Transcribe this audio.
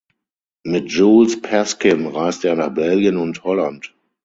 Mit Jules Pascin reiste er nach Belgien und Holland.